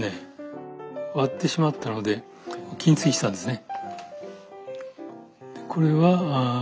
割ってしまったので金継ぎしたんですね。